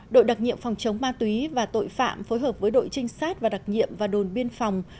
đội đặc nhiệm phòng chống ma túy và tội phạm phối hợp với đội trinh sát và đặc nhiệm và đồn biên phòng